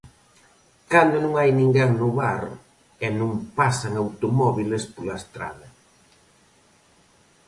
cando non hai ninguén no bar, e non pasan automóbiles pola estrada.